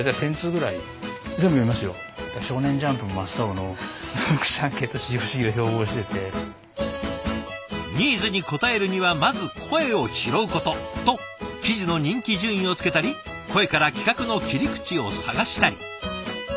「少年ジャンプ」も真っ青のニーズに応えるにはまず声を拾うことと記事の人気順位をつけたり声から企画の切り口を探したり。